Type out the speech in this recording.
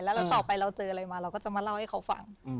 แล้วต่อไปเราเจออะไรมาเราก็จะมาเล่าให้เขาฟัง